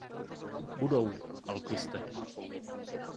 Budou, Alquiste.